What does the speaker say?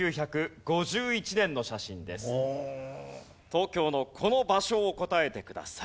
東京のこの場所を答えてください。